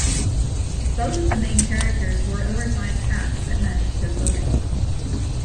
Both of the main characters wore oversized hats that matched their clothing.